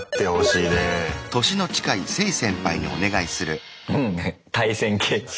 いいね対戦形式。